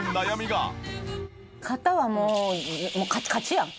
肩はもうカチカチや。